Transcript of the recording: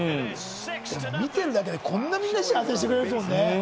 見てるだけで、こんなにみんなを幸せにしてくれるんですもんね。